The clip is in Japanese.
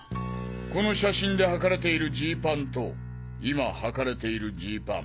この写真ではかれているジーパンと今はかれているジーパン。